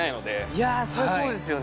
いやー、そりゃそうですよね。